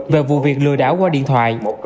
về vụ việc lừa đảo qua điện thoại